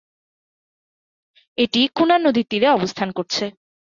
এটি কুনার নদীর তীরে অবস্থান করছে।